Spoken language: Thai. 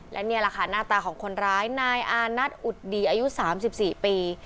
และนี่แหละค่ะหน้าตาของคนร้ายนายอานัทอุดดีอายุ๓๔ปี